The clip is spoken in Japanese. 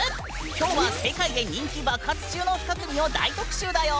きょうは世界で人気爆発中の２組を大特集だよ！